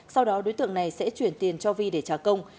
sau đó đối tượng này sẽ chuyển tiền cho vi để trả công